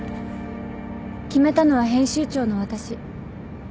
決めたのは編集長の私。